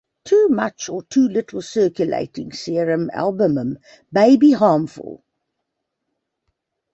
Too much or too little circulating serum albumin may be harmful.